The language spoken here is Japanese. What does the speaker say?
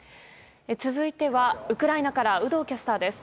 続いては、ウクライナから有働キャスターです。